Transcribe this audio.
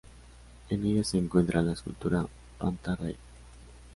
En ella se encuentra la escultura "Panta rei".